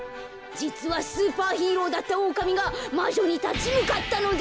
じつはスーパーヒーローだったオオカミがまじょにたちむかったのです。